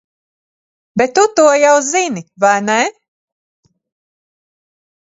Bet tu to jau zini, vai ne?